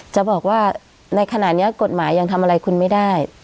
จะบอกว่าในขณะนี้กฎหมายยังทำอะไรคุณไม่ได้